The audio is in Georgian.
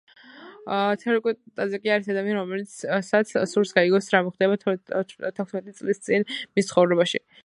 ცუკურუ ტაძაკი არის ადამიანი, რომელსაც სურს გაიგოს, რა მოხდა თექვსმეტი წლის წინ მის ცხოვრებაში.